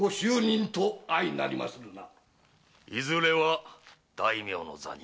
いずれは大名の座に。